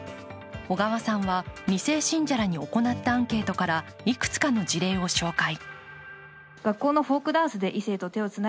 小川さんは２世信者らに行ったアンケートからいくつかの事例を紹介。